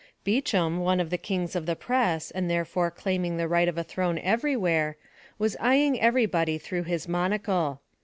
Beauchamp, one of the kings of the press, and therefore claiming the right of a throne everywhere, was eying everybody through his monocle.